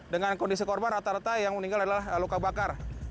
dengan kondisi korban rata rata yang meninggal adalah luka bakar